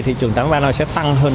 thị trường tám tháng ba sẽ tăng hơn